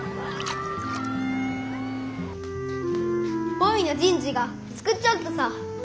おいのじんじが作っちょるとさ。